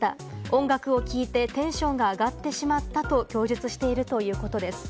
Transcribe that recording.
音楽を聴いてテンションが上がってしまったと供述しているということです。